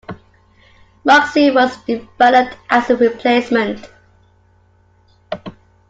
Mugsy was developed as a replacement.